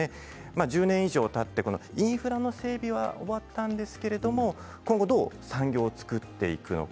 １０年以上たってインフラの整備は終わったんですけれども今後どう産業を作っていくのか